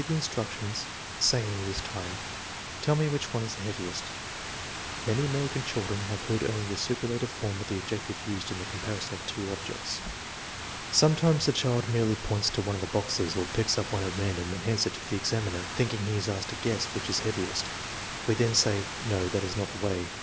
10 THE MEASUREMENT OP INTELLIGENCE instructions, saying this time, " Tell me which one is the heaviest" (Many American children have heard only the superlative form of the adjective used in the comparison of two objects.) Sometimes the child merely points to one of the boxes or picks up one at random and hands it to the examiner, thinking he is asked to guess which is heaviest. We then say: "No, that is not the way.